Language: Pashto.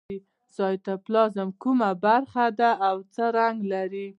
سایتوپلازم کومه برخه ده او څه رنګ لري